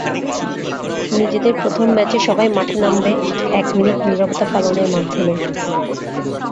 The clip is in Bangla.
নিজেদের প্রথম ম্যাচে সবাই মাঠে নামবে এক মিনিট নীরবতা পালনের মাধ্যমে।